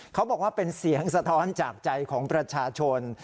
เขาบอกว่าเป็นเสียงสะท้อนจากใจของประชาชน